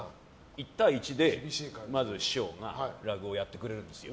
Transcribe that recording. １対１でまず師匠が落語をやってくれるんですよ